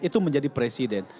itu menjadi presiden